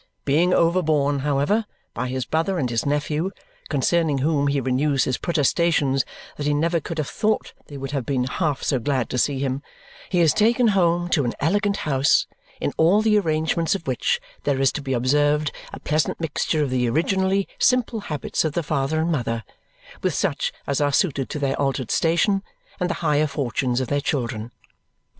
Being overborne, however, by his brother and his nephew concerning whom he renews his protestations that he never could have thought they would have been half so glad to see him he is taken home to an elegant house in all the arrangements of which there is to be observed a pleasant mixture of the originally simple habits of the father and mother with such as are suited to their altered station and the higher fortunes of their children.